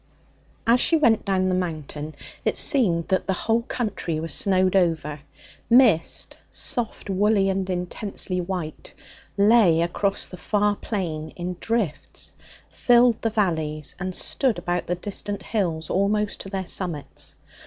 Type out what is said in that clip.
As she went down the mountain it seemed that the whole country was snowed over. Mist soft, woolly, and intensely white lay across the far plain in drifts, filled the valley, and stood about the distant hills almost to their summits.